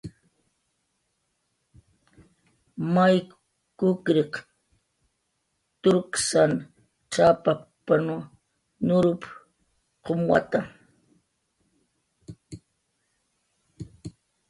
"May kukriq turkasn cx""ap""panw nurup"" qumwata."